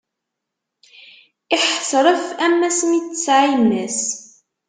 Iḥḥesref, am asmi i t-tesɛa imma-s.